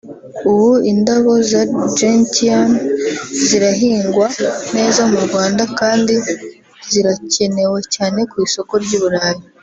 ubu indabo za Gentian zirahingwa neza mu Rwanda kandi zirakenewe cyane ku isoko ry’i Burayi